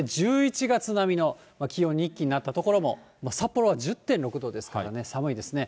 １１月並みの気温に一気になった所も、札幌は１０．６度ですからね、寒いですね。